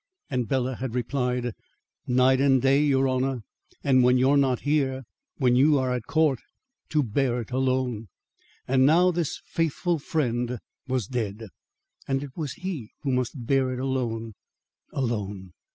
And Bela had replied: "Night and day, your honour. And when you are not here, when you are at court, to bear it alone." And now this faithful friend was dead, and it was he who must bear it alone, alone!